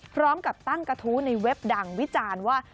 พร้อมกับตั้งกระทู้ในเว็บดังวิจารณ์ว่า